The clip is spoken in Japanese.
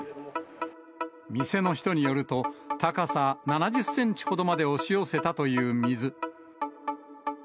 店の人によると、高さ７０センチほどまで押し寄せたという水。